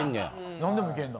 何でもいけるんだ。